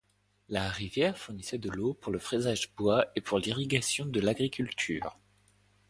La rivière fournissait de l'eau pour le fraisage bois et pour l'irrigation de l'agriculture.